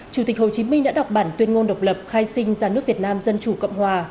chủ tịch hồ chí minh đã đọc bản tuyên ngôn độc lập khai sinh ra nước việt nam dân chủ cộng hòa